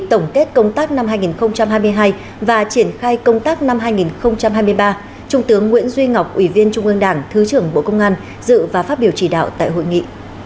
tập trung triển khai công tác năm hai nghìn hai mươi ba trung tướng nguyễn duy ngọc ủy viên trung ương đảng thứ trưởng bộ công an dự và phát biểu chỉ đạo tại hội nghị